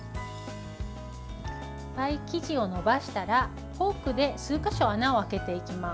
パイ生地を伸ばしたらフォークで数か所穴を開けていきます。